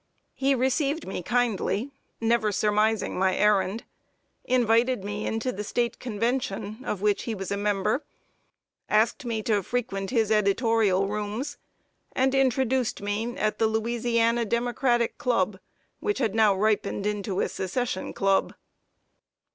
He received me kindly, never surmising my errand; invited me into the State convention, of which he was a member; asked me to frequent his editorial rooms; and introduced me at the "Louisiana Democratic Club," which had now ripened into a Secession club.